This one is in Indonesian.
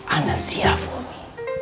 anda siap umi